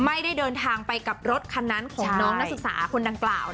ไม่ได้เดินทางไปกับรถคันนั้นของน้องนักศึกษาคนดังกล่าว